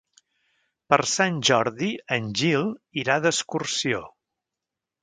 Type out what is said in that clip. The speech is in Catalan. Per Sant Jordi en Gil irà d'excursió.